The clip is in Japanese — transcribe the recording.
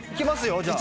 じゃあ。